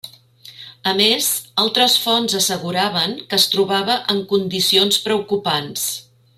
A més, altres fonts asseguraven que es trobava en condicions preocupants.